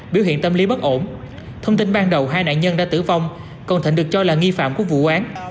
biểu hiện tâm lý bất ổn thông tin ban đầu hai nạn nhân đã tử vong còn thịnh được cho là nghi phạm của vụ án